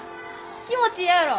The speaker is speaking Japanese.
気持ちいいやろ？